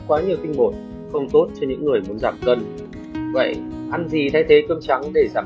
quá nhiều tinh bột không tốt cho những người muốn giảm cân vậy ăn gì thay thế cơm trắng để giảm